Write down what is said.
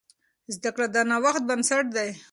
زده کړه د نوښت بنسټ دی.